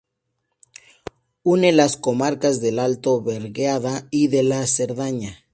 Une las comarcas del Alto Berguedá y de la Cerdaña.